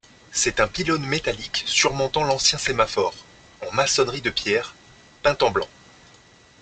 C'est un pylône métallique surmontant l'ancien sémaphore, en maçonnerie de pierre, peinte en blanc.